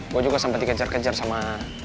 gua juga sampai dikejar kejar sama